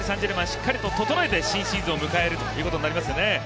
しっかりと整えて新シーズンを迎えることになりますね。